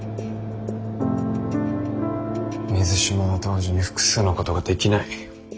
水島は同時に複数のことができない。